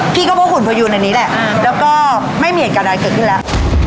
พี่ก็เพราะหุ่นพยูนอันนี้แหละแล้วก็ไม่มีเหตุการณ์อะไรเกิดขึ้นแล้ว